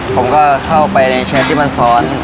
ผมก็เข้าไปในเชฟที่มันซ้อน